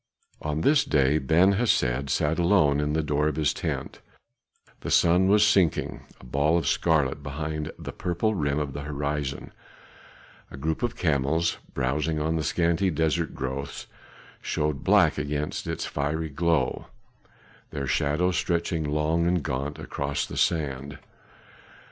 On this day Ben Hesed sat alone in the door of his tent; the sun was sinking, a ball of scarlet behind the purple rim of the horizon; a group of camels, browsing on the scanty desert growths, showed black against its fiery glow, their shadows stretching long and gaunt across the sand.